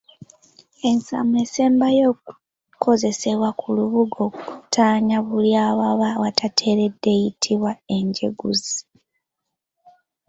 Ensaamo esembayo okukozesebwa ku lubugo okuttaanya buli awaba watateredde eyitibwa Enjeguzi.